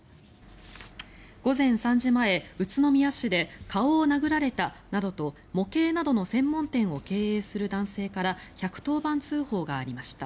午前３時前、宇都宮市で顔を殴られたなどと、模型などの専門店を経営する男性が１１０番通報がありました。